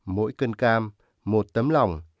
mỗi cân cam một tấm lòng